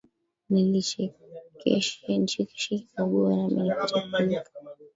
Nichekeshe kibogoyo, nami nipate kuwika,